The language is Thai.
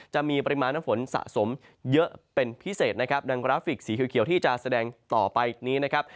จะมีปริมาณน้ำฝนสะสมเยอะเป็นพิเศษนะครับดังกราฟิกสีเขียวที่จะแสดงต่อไปนี้นะครับ